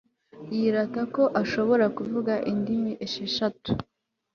Yirata ko ashobora kuvuga indimi esheshatu